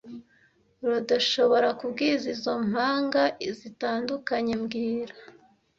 Urdushoborakubwira izo mpanga zitandukanye mbwira